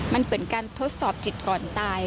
มันเปลี่ยนการทดสอบจิตก่อนที่ตาย